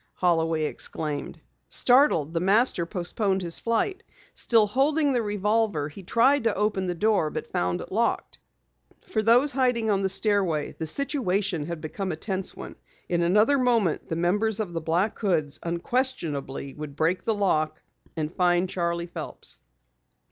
Holloway exclaimed. Startled, the Master postponed his flight. Still holding the revolver, he tried to open the door, but found it locked. For those hiding on the stairway, the situation had become a tense one. In another moment, the members of the Black Hoods unquestionably would break the door lock and find Charley Phelps.